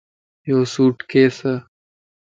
ايو سوڻ ڪيسَ